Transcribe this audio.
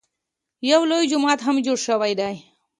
یو لوی جومات هم جوړ شوی دی.